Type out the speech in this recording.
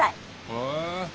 へえ。